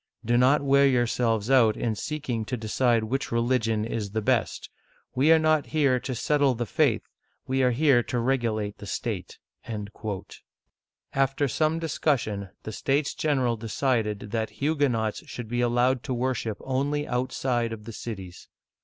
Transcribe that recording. Do not wear yourselves out in seeking to decide which religion is the best. We are not here to settle the faith, we are here to regulate the state." After some discussion the States General decided that Huguenots should be allowed to worship only outside of the cities.